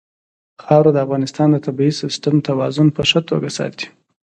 خاوره د افغانستان د طبعي سیسټم توازن په ښه توګه ساتي.